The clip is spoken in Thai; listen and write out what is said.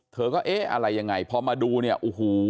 เธอก็เอ๊ะอะไรยังไงพอมาดูเนี่ยโอ้โห